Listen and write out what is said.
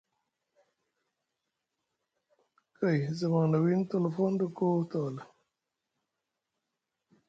Kay zamaŋ na wii tolofon ɗa koo tawala.